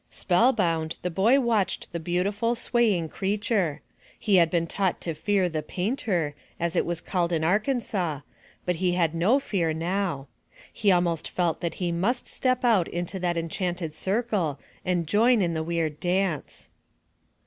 Spell bound, the boy watched the beautiful, swaying creature. He had been taught to fear the "painter,'' as it was called in Ark ansaw, but he had no fear now. He almost felt that he must step out into that enchanted circle and join in the weird dance.